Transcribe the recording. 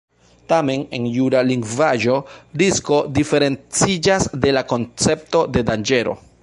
Tamen, en jura lingvaĵo „risko“ diferenciĝas de la koncepto de „danĝero“.